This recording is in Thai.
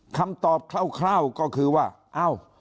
คำตอบคร่าวก็คือว่าเอ้า